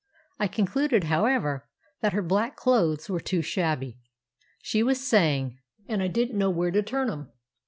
I concluded, however, that her black clothes were too shabby. She was saying— "And I didn't know where to turn, m'm.